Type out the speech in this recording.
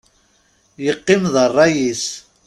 Yeqqim d rray-is.